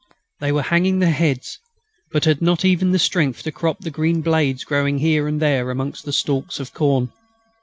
They were hanging their heads, but had not even the strength to crop the green blades growing here and there among the stalks of corn.